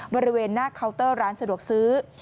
บริเวณหน้าเคาน์เตอร์ร้านสะดวกซื้อ